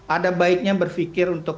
ada baiknya berpikir untuk